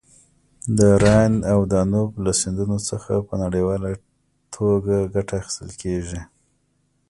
د راین او دانوب له سیندونو څخه په نړیواله ټوګه ګټه اخیستل کیږي.